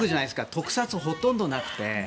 特撮ほとんどなくて。